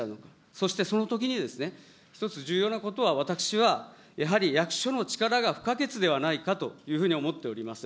そしてそのときに一つ重要なことは、私はやはり役所の力が不可欠ではないかというふうに思っております。